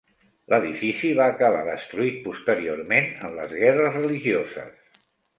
L'edifici va acabar destruït posteriorment en les guerres religioses.